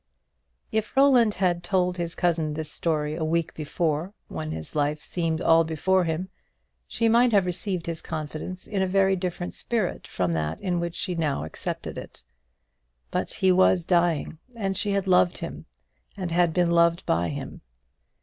If Roland had told his cousin this story a week before, when his life seemed all before him, she might have received his confidence in a very different spirit from that in which she now accepted it; but he was dying, and she had loved him, and had been loved by him.